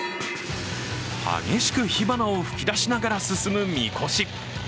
激しく火花を噴き出しながら進むみこし。